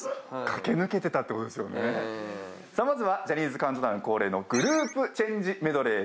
まずはジャニーズカウントダウン恒例のグループチェンジメドレーです。